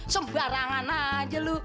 sembarangan aja lo